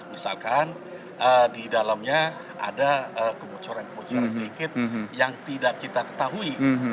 misalkan di dalamnya ada kebocoran kebocoran sedikit yang tidak kita ketahui